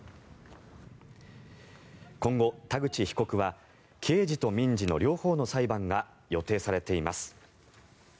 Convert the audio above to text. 今後、田口被告は刑事と民事の両方の裁判が予定されています。